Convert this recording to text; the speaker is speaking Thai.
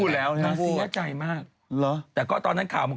ตัวยังเป็นทางการ